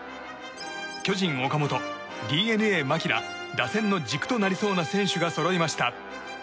巨人、岡本ＤｅＮＡ、牧ら打線の軸となりそうな選手がそろいました。